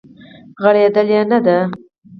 غړیدلې نه دی